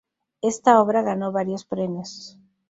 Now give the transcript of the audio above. Esta obra ganó varios premios.